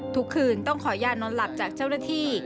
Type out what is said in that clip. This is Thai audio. ทุกคืนต้องขอยานอนหลับจากเจ้าหน้าที่